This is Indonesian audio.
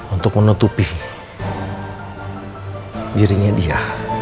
untuk menutupi dirinya dia